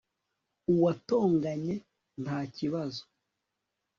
uwatonganye ntakibazo